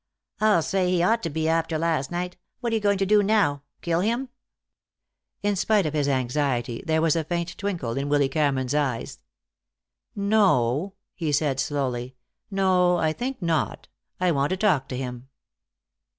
"I'll say he ought to be, after last night! What're you going to do now? Kill him?" In spite of his anxiety there was a faint twinkle in Willy Cameron's eyes. "No," he said slowly. "No. I think not. I want to talk to him."